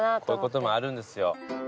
こういうこともあるんですよ。